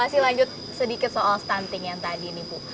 masih lanjut sedikit soal stunting yang tadi nih bu